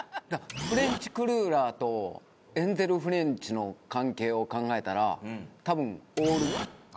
フレンチクルーラーとエンゼルフレンチの関係を考えたら多分オールドチョコファッションは。